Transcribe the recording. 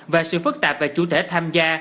và sự phức tạp về chủ thể tham gia